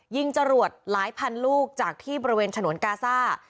จรวดหลายพันลูกจากที่บริเวณฉนวนกาซ่า